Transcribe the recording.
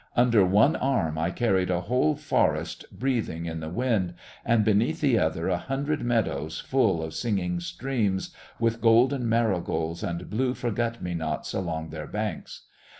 Under one arm I carried a whole forest breathing in the wind, and beneath the other a hundred meadows full of singing streams with golden marigolds and blue forget me nots along their banks.